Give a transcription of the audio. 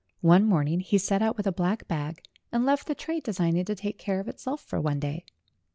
One morning he set out with a black bag and left the trade designing to take care of itself for one day.